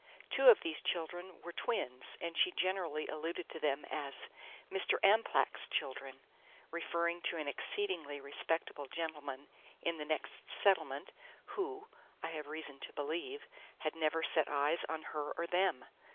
Two of these children were twins, and she generally alluded to them as "Mr. Amplach's children," referring to an exceedingly respectable gentleman in the next settlement who, I have reason to believe, had never set eyes on her or them.